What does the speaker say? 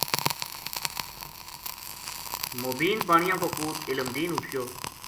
موبین بانیا کو پُوت علم دین اُٹھیو